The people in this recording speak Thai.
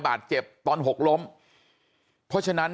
บอกแล้วบอกแล้วบอกแล้ว